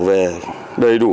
về đầy đủ